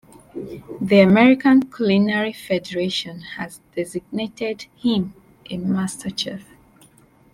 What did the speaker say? The American Culinary Federation has designated him a Master Chef.